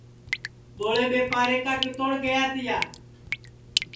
ٻوڑے ٻیپارے کا کِتوڑ گیا تیا